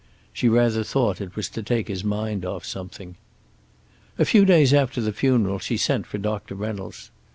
She rather thought it was to take his mind off something. A few days after the funeral she sent for Doctor Reynolds.